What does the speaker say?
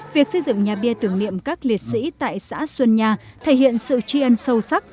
việc xây dựng nhà bia tưởng niệm các liệt sĩ tại xã xuân nha thể hiện sự tri ân sâu sắc